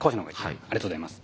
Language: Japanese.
ありがとうございます。